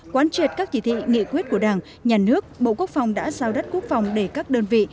quán triệt các chỉ thị nghị quyết của đảng nhà nước bộ quốc phòng đã giao đất quốc phòng để các đơn vị